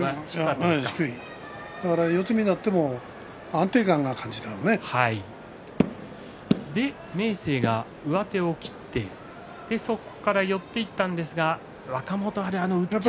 四つ身になっても安定感を感じた明生が上手を切ってそこから寄っていったんですが若元春。